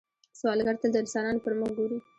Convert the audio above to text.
سوالګر تل د انسانانو پر مخ ګوري